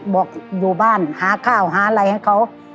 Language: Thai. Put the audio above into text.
บอกอยู่บ้านหาข้าวหาอะไรให้เขา